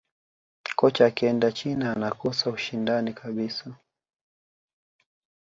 kocha akienda china anakosa ushindani kabisa